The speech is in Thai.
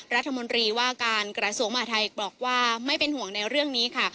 รัฐมนตรีว่าการกระทรวงมหาทัยบอกว่าไม่เป็นห่วงในเรื่องนี้ค่ะ